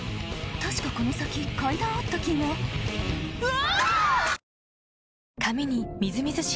確かこの先階段あった気がうわ！